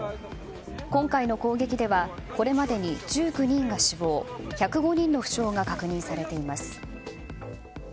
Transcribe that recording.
今回の攻撃ではこれまでに１９人が死亡１０５人の負傷が確認されています。